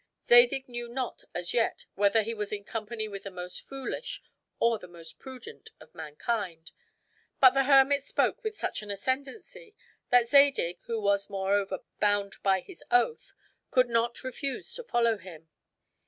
Zadig knew not as yet whether he was in company with the most foolish or the most prudent of mankind; but the hermit spoke with such an ascendancy, that Zadig, who was moreover bound by his oath, could not refuse to follow him.